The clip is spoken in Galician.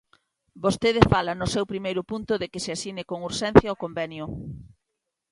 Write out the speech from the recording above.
Vostede fala no seu primeiro punto de que se asine con urxencia o convenio.